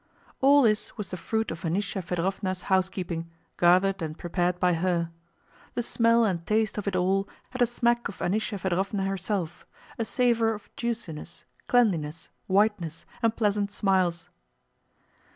All this was the fruit of Anísya Fëdorovna's housekeeping, gathered and prepared by her. The smell and taste of it all had a smack of Anísya Fëdorovna herself: a savor of juiciness, cleanliness, whiteness, and pleasant smiles.